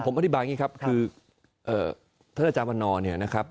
ผมอธิบายว่าถ้าท่านอรุณมานอนเสริมันเนี่ยครับ